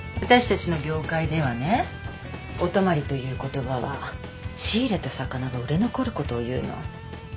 私たちの業界ではね「お泊まり」という言葉は仕入れた魚が売れ残ることを言うの。